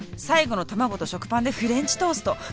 最後の卵と食パンでフレンチトースト。